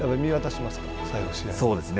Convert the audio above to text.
そうですね。